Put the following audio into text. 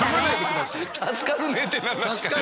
「助かるね」って何なんすか。